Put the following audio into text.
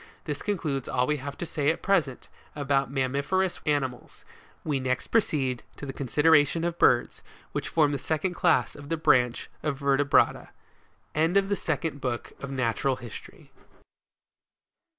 This concludes all we have to say at present, about mammiferous animals ; we next preceed to the consideration of birds, which form the second CLASS of the BRANCH of VERTEBRATA. END OP THE SECOND BOOK OP NATURAL HISTORY.